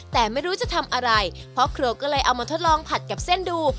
แต่ไม่รู้จะทำอะไรพ่อครัวก็เลยเอามาทดลองผัดกับเส้นดู